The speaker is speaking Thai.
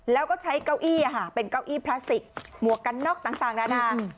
แล้วก็ใช้เก้าอี้เป็นเก้าอี้พลาสติกหมวกกันน็อกต่างนานา